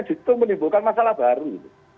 itu menimbulkan masalah baru